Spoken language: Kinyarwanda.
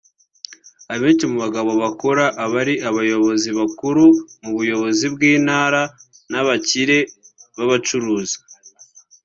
Abenshi mu bagabo bakora aba ari abayobozi bakuru mu buyobozi bw’Intara n’abakire b’abacuruzi